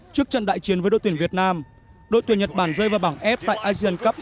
trước trận đại chiến với đội tuyển việt nam đội tuyển nhật bản rơi vào bảng f tại asian cup hai nghìn một mươi chín